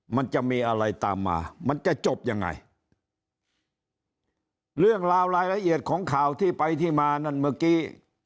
มันจะมีอะไรตามมามันจะจบยังไงเรื่องราวรายละเอียดของข่าวที่ไปที่มานั่นเมื่อกี้